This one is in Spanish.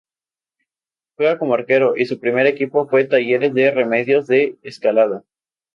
Juega como arquero y su primer equipo fue Talleres de Remedios de Escalada.